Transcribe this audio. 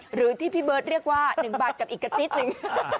หรือที่พี่เบิร์ตเรียกว่า๑บาทกับอีกกระติ๊ดหนึ่ง